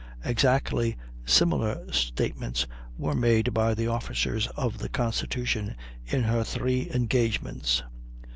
Exactly similar statements were made by the officers of the Constitution in her three engagements.